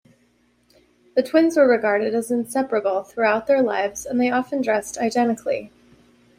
The twins were regarded as 'inseparable' throughout their lives, and they often dressed identically.